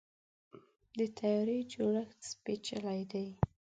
د طیارې جوړښت پیچلی دی.